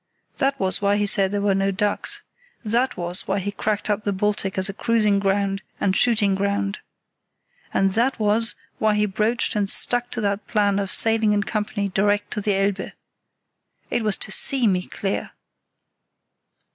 That was why he said there were no ducks. That was why he cracked up the Baltic as a cruising ground and shooting ground. And that was why he broached and stuck to that plan of sailing in company direct to the Elbe. It was to see me clear.